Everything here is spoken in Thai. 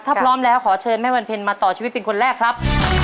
ถ้าพร้อมแล้วขอเชิญแม่วันเพ็ญมาต่อชีวิตเป็นคนแรกครับ